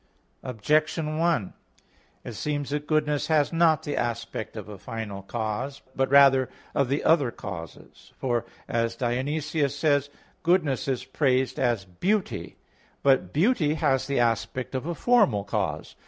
Objection 1: It seems that goodness has not the aspect of a final cause, but rather of the other causes. For, as Dionysius says (Div. Nom. iv), "Goodness is praised as beauty." But beauty has the aspect of a formal cause.